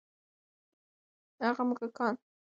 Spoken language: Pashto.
هغه موږکان چې د تیلرونکي بکتریاوې لري، توپیر ونه ښود.